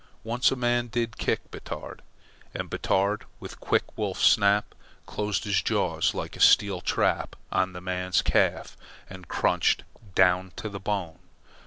Once a man did kick Batard, and Batard, with quick wolf snap, closed his jaws like a steel trap on the man's calf and crunched down to the bone.